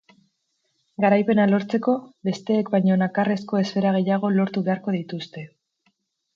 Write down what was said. Garaipena lortzeko, besteek baino nakarrezko esfera gehiago lortu beharko dituzte.